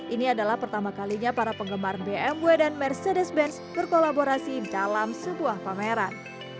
ini adalah pertama kalinya para penggemar bmw dan mercedes benz berkolaborasi dalam sebuah pameran